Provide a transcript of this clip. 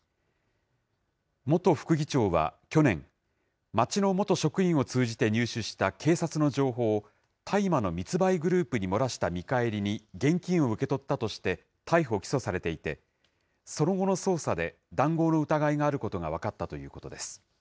元副議長は去年、町の元職員を通じて入手した警察の情報を、大麻の密売グループに漏らした見返りに現金を受け取ったとして、逮捕・起訴されていて、その後の捜査で談合の疑いがあることが分かったということです。